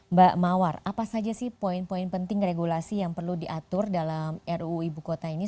mbak mawar apa saja sih poin poin penting regulasi yang perlu diatur dalam ruu ibu kota ini